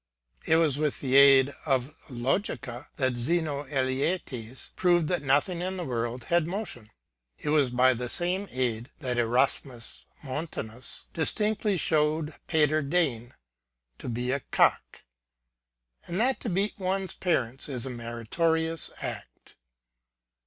*It was with the aid of logica that 2^no Eleates proved that nothing in the world had motion. 'It was by the same aid that Erasmus Montanus dis tinctly showed Peder Degn to be a cock, and that to beat oae's parents is a meritorious act.